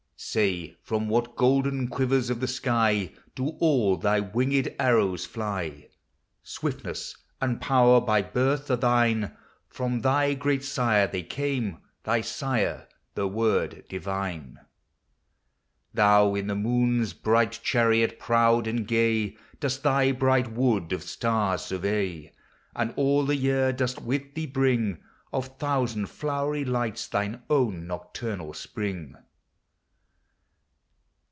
Say, from what golden quivers of the sky Do all thy winged arrows fly? Swiftness and Power by birth are thine: From thy great sire they came, thy sire, the Word Divine. Thou in the Moon's bright chariot, proud and gay, Dost thy bright wood of stars survey; And all the year dost with thee bring Of thousand flowery lights thine own nocturnal spring.